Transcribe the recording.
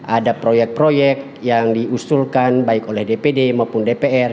ada proyek proyek yang diusulkan baik oleh dpd maupun dpr